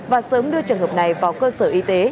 và sớm đưa trường hợp này vào cơ sở y tế